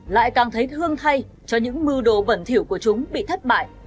lại càng thấy thương thay cho những mưu đồ bẩn thiểu của chúng bị thất bại